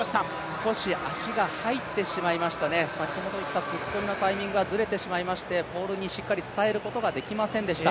少し足が入ってしまいましたね、先ほど言った突っ込みのタイミングがずれてしまいましてポールにしっかり伝えることができませんでした。